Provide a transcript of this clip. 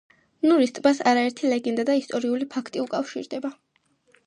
ნურის ტბას არაერთი ლეგენდა და ისტორიული ფაქტი უკავშირდება.